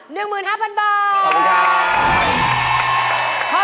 ๑๕๐๐๐บาทขอบคุณค่ะขอบคุณค่ะขอบคุณค่ะ